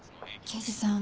刑事さん